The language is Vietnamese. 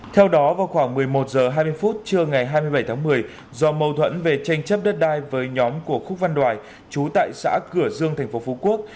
theo đó vào khoảng một mươi một h hai mươi phút trưa ngày hai mươi bảy tháng một mươi do mâu thuẫn về tranh chấp đất đai với nhóm của khúc văn đoài chú tại xã cửa dương tp phú quốc